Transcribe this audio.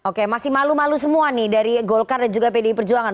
oke masih malu malu semua nih dari golkar dan juga pdi perjuangan